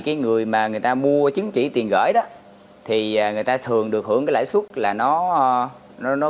cái người mà người ta mua chứng chỉ tiền gửi đó thì người ta thường được hưởng cái lãi suất là nó